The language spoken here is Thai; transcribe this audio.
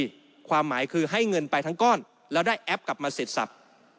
ความหมายคือให้เงินไปทั้งก้อนแล้วได้แอปกลับมาเสร็จสับ